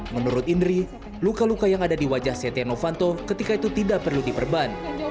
menurut indri luka luka yang ada di wajah setia novanto ketika itu tidak perlu diperban